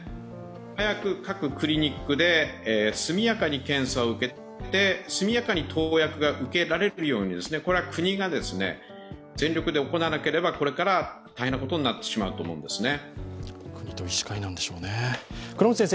早く各クリニックで速やかに検査を受けて速やかに投薬が受けられるように、国が全力で行わなければこれから大変なことになってしまうと思うんですね。